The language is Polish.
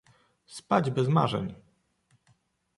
"spać bez marzeń!"